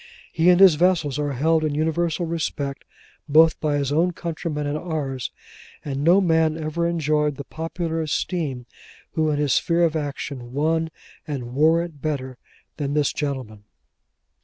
He and his vessel are held in universal respect, both by his own countrymen and ours; and no man ever enjoyed the popular esteem, who, in his sphere of action, won and wore it better than this gentleman.